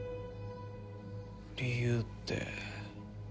理由って。